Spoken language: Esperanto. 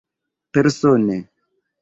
persone